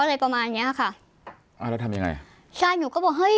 อะไรประมาณเนี้ยค่ะอ่าแล้วทำยังไงใช่หนูก็บอกเฮ้ย